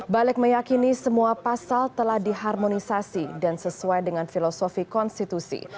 balik meyakini semua pasal telah diharmonisasi dan sesuai dengan filosofi konstitusi